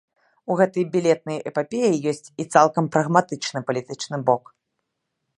У гэтай білетнай эпапеі ёсць і цалкам прагматычны палітычны бок.